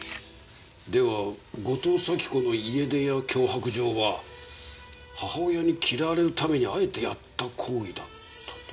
では後藤咲子の家出や脅迫状は母親に嫌われるためにあえてやった行為だったと？